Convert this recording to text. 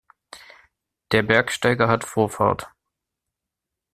Der Bergsteiger hat Vorfahrt.